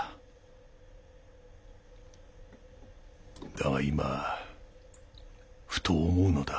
だが今ふと思うのだ。